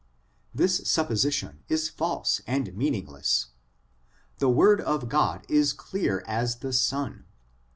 This supposition is false and meaning less. The word of God is clear as the sun.